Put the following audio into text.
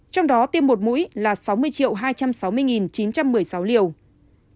trong đó tiêm một mũi là sáu mươi hai trăm linh năm chín trăm một mươi sáu liều vaccine phòng covid một mươi chín được tiêm